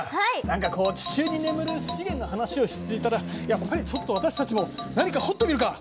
何かこう地中に眠る資源の話をしていたらやっぱりちょっと私たちも何か掘ってみるか！